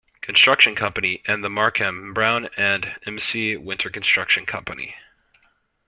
Construction Company and the Markham, Brown and M. C. Winter Construction Company.